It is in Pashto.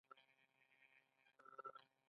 خو چې موږ ته یې څه ګټه رسېدای شي